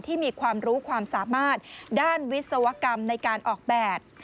ที่มีความรู้ความสามารถด้านวิศวกรรมในการออกแบบ